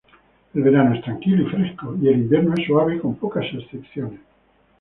El verano es tranquilo y fresco, y el invierno es suave con pocas excepciones.